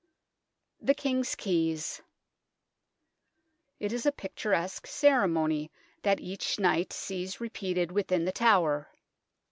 THE KING'S KEYS It is a picturesque ceremony that each night sees repeated within The Tower.